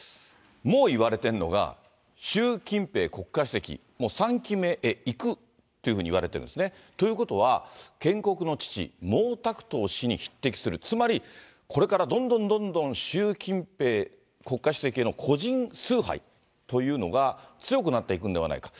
もう言われてるのが、習近平国家主席、もう３期目へいくというふうにいわれているんですね。ということは、建国の父、毛沢東氏に匹敵する、つまり、これからどんどんどんどん習近平国家主席への個人崇拝というのが強くなっていくんではないか。